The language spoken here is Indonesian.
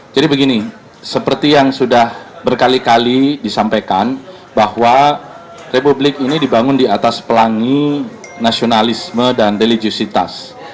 jadi begini seperti yang sudah berkali kali disampaikan bahwa republik ini dibangun di atas pelangi nasionalisme dan religiositas